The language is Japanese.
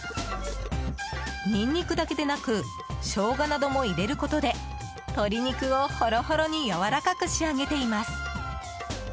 ニンニクだけでなくショウガなども入れることで鶏肉をホロホロにやわらかく仕上げています。